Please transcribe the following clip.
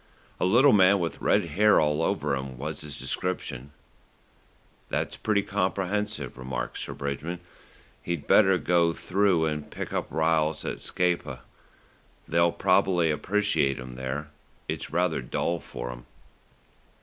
"A little man with red hair all over him was his description." "That seems pretty comprehensive," remarked Sir Bridgman. "He'd better go right through and pick up Ryles at Scapa. They'll probably appreciate him there. It's rather dull for 'em."